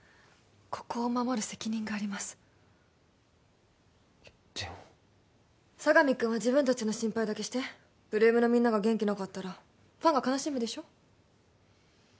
ここを守る責任がありますでも佐神くんは自分達の心配だけして８ＬＯＯＭのみんなが元気なかったらファンが悲しむでしょ？